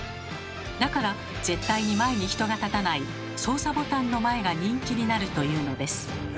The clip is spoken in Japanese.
だから絶対に前に人が立たない操作ボタンの前が人気になるというのです。